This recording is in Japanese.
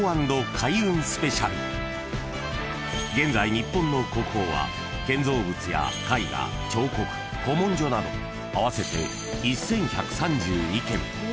［現在日本の国宝は建造物や絵画彫刻古文書など合わせて１，１３２件］